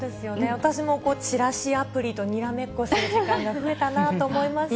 私もチラシアプリとにらめっこする時間が増えたなと思いますし。